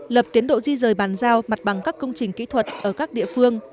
lập tiến độ di rời bàn giao mặt bằng các công trình kỹ thuật ở các địa phương